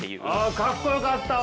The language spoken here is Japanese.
あかっこよかったわ！